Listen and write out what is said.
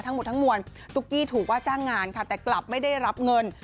ทั้งหมดทั้งมวลตุ๊กกี้ถูกว่าจ้างงานค่ะแต่กลับไม่ได้รับเงิน